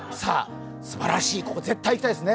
すばらしい、ここ絶対行きたいですね。